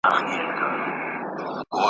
یو تعویذ درڅخه غواړمه غښتلی `